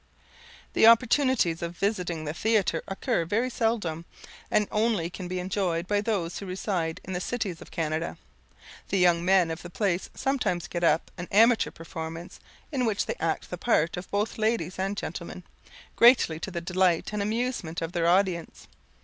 The opportunities of visiting the theatre occur very seldom, and only can be enjoyed by those who reside in the cities of Canada. The young men of the place sometimes get up an amateur performance, in which they act the part of both ladies and gentlemen, greatly to the delight and amusement of their audience.